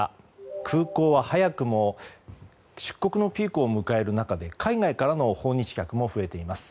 空港は早くも出国のピークを迎える中で海外からの訪日客も増えています。